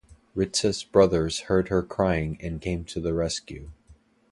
Ritsa's brothers heard her crying and came to the rescue.